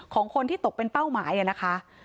ของคนที่ตกเป็นเป้าหมายนะคะ